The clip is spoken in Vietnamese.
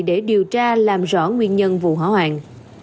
để điều tra làm rõ nguyên nhân vụ hỏa hoạn